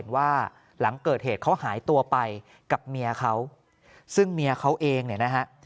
ว่าหลังเกิดเหตุเขาหายตัวไปกับเมียเขาซึ่งเมียเขาเองเนี่ยนะฮะ